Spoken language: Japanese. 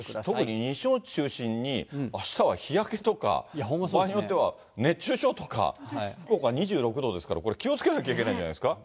特に西日本中心に、あしたは日焼けとか、場合によっては熱中症とか、福岡２６度ですから、これ、気をつけなきゃいけないんじゃないんですか。